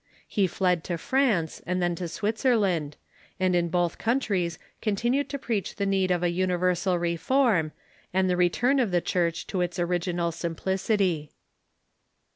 He fled to France, and then to Switzerland, and in l)oth countries continued to preach the need of a universal reform, and the return of the Church to its original simplicity.